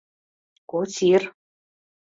Косир.